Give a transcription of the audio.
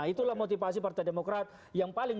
itulah motivasi partai demokrat yang paling